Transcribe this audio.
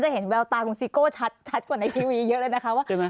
จะเห็นแววตาคุณซิโก่ชัดเป็นทีวีเยอะเลยนะค่ะ